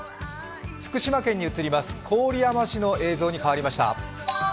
福島県に移ります、郡山市の映像に変わりました。